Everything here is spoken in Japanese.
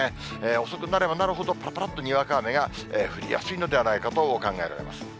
遅くなればなるほど、ぱらぱらっとにわか雨が降りやすいのではないかと考えられます。